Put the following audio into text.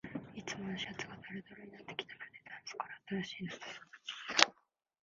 いつものシャツがだるだるになってきたので、タンスから新しいの出さなきゃ